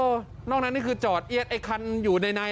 นอกนั้นนี่คือจอดเอี๊ยดไอ้คันอยู่ใน